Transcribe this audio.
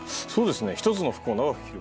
１つの服を長く着る。